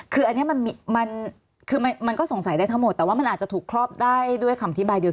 คืออันนี้มันคือมันก็สงสัยได้ทั้งหมดแต่ว่ามันอาจจะถูกครอบได้ด้วยคำอธิบายเดียว